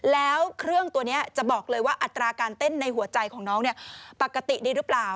แล้วเครื่องตัวนี้จะบอกเลยว่าอัตราการเต้นในหัวใจของน้องเนี่ยปกติดีหรือเปล่า